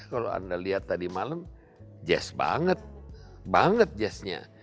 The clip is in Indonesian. kalau anda lihat tadi malam jazz banget banget jazznya